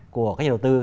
của các nhà đầu tư